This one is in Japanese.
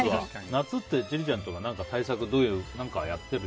夏って千里ちゃんとか対策、何かやってる？